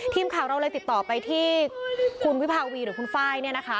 ทีมข่าวเราเลยติดต่อไปที่คุณวิภาวีหรือคุณไฟล์เนี่ยนะคะ